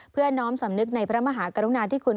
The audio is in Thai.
เพื่อน้อมสำนึกในพระมหากรุณาที่คุณ